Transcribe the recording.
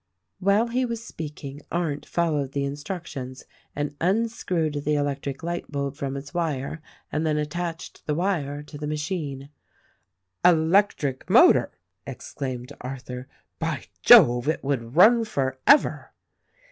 While he was speaking Arndt followed the instructions and unscrewed the electric light bulb from its wire and then attached the wire to the machine. "Electric motor !" exclaimed Arthur. "By jove ! it would run forever."